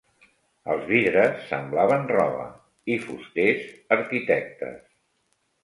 Els vidres semblaven roba i fusters arquitectes